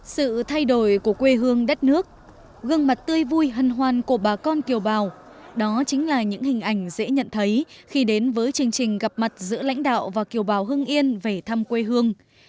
sự thay đổi của quê hương đất nước gương mặt tươi vui hân hoan của bà con kiều bào đó chính là những hình ảnh dễ nhận thấy khi đến với chương trình gặp mặt giữa lãnh đạo và kiều bào hưng yên về thăm quê hương